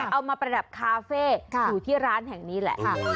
ประดับคาเฟ่อยู่ที่ร้านแห่งนี้แหละ